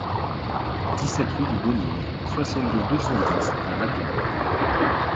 dix-sept rue du Bonnier, soixante-deux, deux cent dix à Avion